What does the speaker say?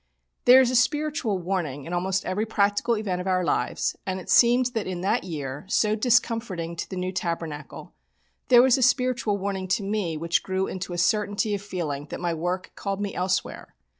There is a spiritual warning in almost every practical event of our lives, and it seemed that in that year, so discomforting to the New Tabernacle, there was a spiritual warning to me which grew into a certainty of feeling that my work called me elsewhere.